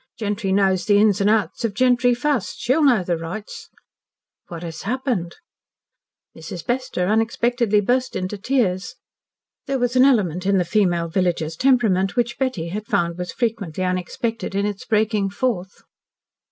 "Gentry knows the ins an' outs of gentry fust. She'll know the rights." "What has happened?" Mrs. Bester unexpectedly burst into tears. There was an element in the female villagers' temperament which Betty had found was frequently unexpected in its breaking forth.